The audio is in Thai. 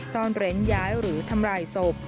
ซ่อนเร้นย้ายหรือทำลายศพ